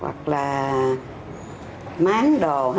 hoặc là máng đồ điện quá dài